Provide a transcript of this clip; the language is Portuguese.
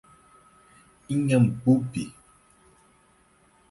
Inhambupe